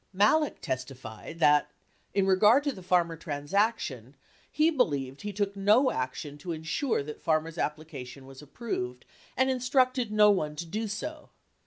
69 Malek testified that, in regard to the Farmer transaction, he believed he took no action to insure that Farmer's application was approved and instructed no one to do so.